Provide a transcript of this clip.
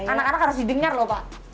anak anak harus didengar loh pak